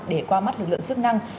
để qua mắt lực lượng thức năng